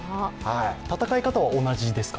戦い方は同じですか？